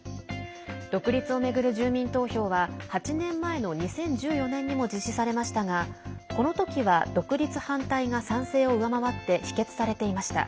独立を巡る住民投票は８年前の２０１４年にも実施されましたがこのときは独立反対が賛成を上回って否決されていました。